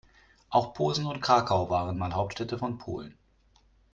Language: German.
Auch Posen und Krakau waren mal Hauptstädte von Polen.